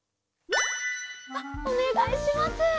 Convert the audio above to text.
あっおねがいします。